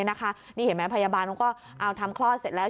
นี่เห็นไหมพยาบาลเขาก็เอาทำคลอดเสร็จแล้ว